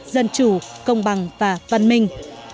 dân chủ công bằng và văn minh